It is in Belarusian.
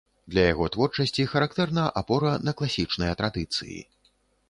Для яго творчасці характэрна апора на класічныя традыцыі.